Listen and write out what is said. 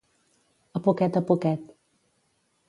A poquet a poquet.